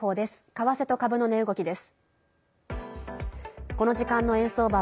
為替と株の値動きです。